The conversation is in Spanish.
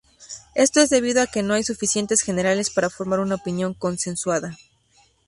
Esto es debido a que no hay suficientes generales para formar una opinión consensuada.